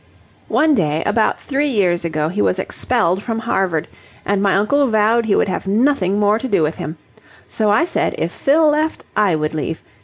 One day, about three years ago, he was expelled from Harvard, and my uncle vowed he would have nothing more to do with him. So I said, if Fill left, I would leave.